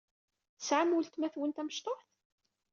Tesɛam weltma-twen tamecṭuḥt?